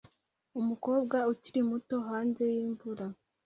Umukobwa ukiri muto hanze yimvura